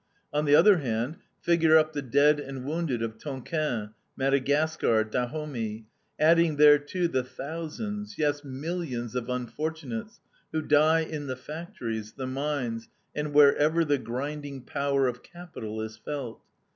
On the other hand, figure up the dead and wounded on Tonquin, Madagascar, Dahomey, adding thereto the thousands, yes, millions of unfortunates who die in the factories, the mines, and wherever the grinding power of capital is felt.